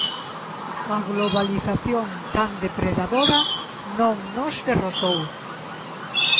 A globalización, tan depredadora, non nos derrotou.